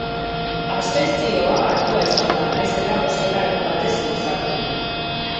Abstentzioa altua izan da, nahiz eta bozketa egun batez luzatu.